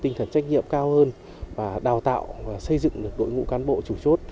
tinh thần trách nhiệm cao hơn và đào tạo và xây dựng được đội ngũ cán bộ chủ chốt